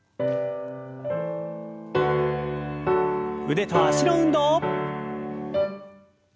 腕と脚の運動。